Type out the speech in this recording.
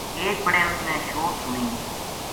ایک بِڑے اس نے شور سنی